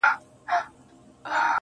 • مُلا سړی سو په خپل وعظ کي نجلۍ ته ويل_